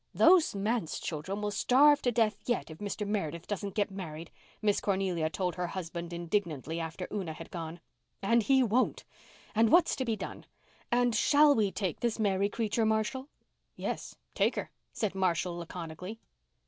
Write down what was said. "Those manse children will starve to death yet if Mr. Meredith doesn't get married," Miss Cornelia told her husband indignantly after Una had gone. "And he won't—and what's to be done? And shall we take this Mary creature, Marshall?" "Yes, take her," said Marshall laconically.